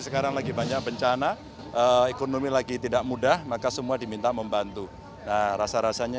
sekarang lagi banyak bencana ekonomi lagi tidak mudah maka semua diminta membantu rasa rasanya